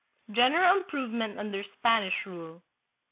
General Improvement under Spanish Rule.